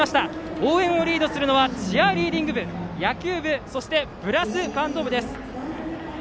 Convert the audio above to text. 応援をリードするのはリアリーディング部、野球部そしてブラスバンド部です。